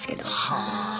はあ！